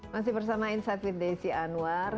masih bersama insight with desi anwar